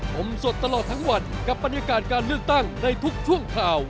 ผมสดตลอดทั้งวันกับบรรยากาศการเลือกตั้งในทุกช่วงข่าว